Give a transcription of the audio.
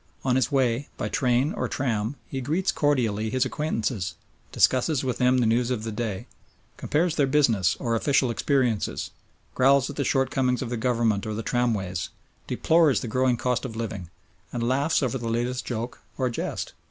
On his way by train or tram he greets cordially his acquaintances, discusses with them the news of the day, compares their business or official experiences, growls at the shortcomings of the Government or the tramways, deplores the growing cost of living, and laughs over the latest joke or jest.